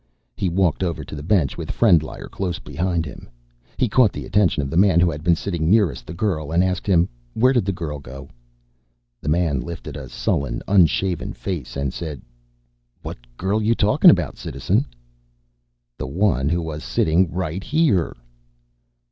He walked over to the bench with Frendlyer close behind him. He caught the attention of the man who had been sitting nearest the girl and asked him, "Where did the girl go?" The man lifted a sullen, unshaven face and said, "What girl you talking about, Citizen?" "The one who was sitting right here."